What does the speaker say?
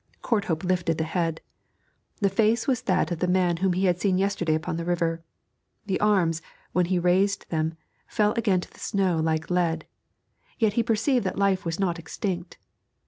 Courthope lifted the head; the face was that of the man whom he had seen yesterday upon the river. The arms, when he raised them, fell again to the snow like lead, yet he perceived that life was not extinct.